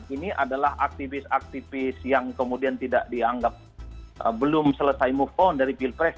ini adalah aktivis aktivis yang kemudian tidak dianggap belum selesai move on dari pilpres dua ribu dua puluh empat